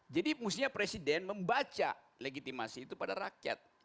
jadi musuhnya presiden membaca legitimasi itu pada rakyat